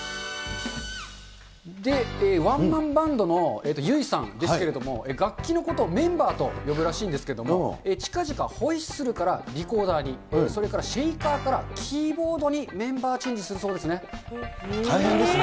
で、ワンマンバンドの油井さんですけれども、楽器のことをメンバーと呼ぶらしいんですけども、ちかぢか、ホイッスルからリコーダーに、それからシェイカーからキーボードにメンバーチェンジするそうで大変ですね。